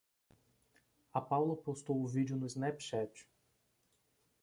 A Paula postou o vídeo no Snapchat